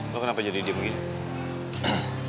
lo kenapa jadi diam gini